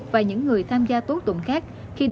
và những người tham gia tố tụng khác